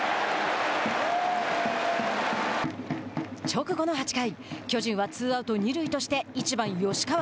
直後の８回巨人はツーアウト、二塁として１番吉川。